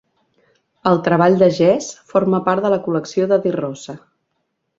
El treball de Jess forma part de la col·lecció de di Rosa.